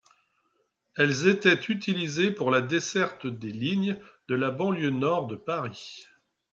Elles étaient utilisées pour la desserte des lignes de la banlieue nord de Paris.